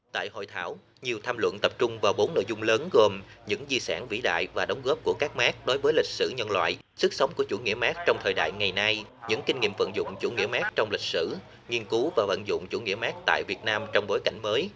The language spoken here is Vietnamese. tại hội thảo nhiều tham luận tập trung vào bốn nội dung lớn gồm những di sản vĩ đại và đóng góp của các mép đối với lịch sử nhân loại sức sống của chủ nghĩa mark trong thời đại ngày nay những kinh nghiệm vận dụng chủ nghĩa mark trong lịch sử nghiên cứu và vận dụng chủ nghĩa mark tại việt nam trong bối cảnh mới